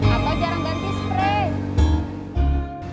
atau jarang ganti sprey